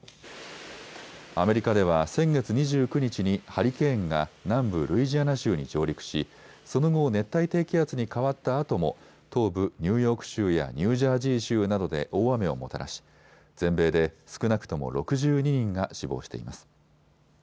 アメリカでは先月２９日にハリケーンが南部ルイジアナ州に上陸し、その後、熱帯低気圧に変わったあとも東部ニューヨーク州やニュージャージー州などで大雨をもたらし全米で少なくとも６２人が死亡しています。